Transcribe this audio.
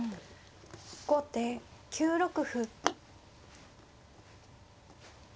後手９六歩。